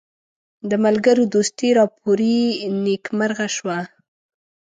د ملګرو دوستي راپوري نیکمرغه شوه.